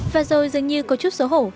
và rồi dường như có chút xấu hổ